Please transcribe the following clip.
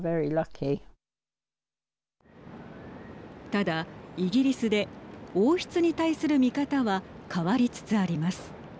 ただ、イギリスで王室に対する見方は変わりつつあります。